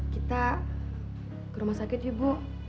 kita ke rumah sakit ibu